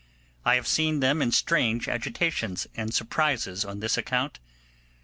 I have seen them in strange agitations and surprises on this account.